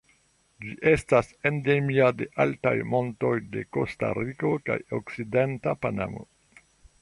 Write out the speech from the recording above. Ĝi estas endemia de altaj montoj de Kostariko kaj okcidenta Panamo.